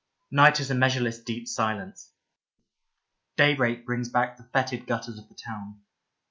Night is a measureless deep silence : daybreak brings back the foetid gutters of the town.